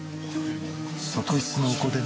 側室のお子でな。